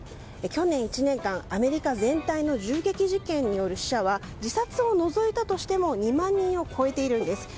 去年１年間アメリカ全体の銃撃事件による死者は自殺を除いたとしても２万人を超えているんです。